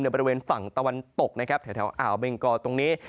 บริเวณฝั่งตะวันตกนะครับแถวอ่าวเบงกอตรงนี้